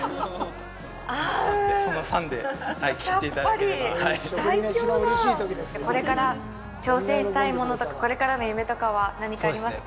さっぱり最強だこれから挑戦したいものとかこれからの夢とかは何かありますか？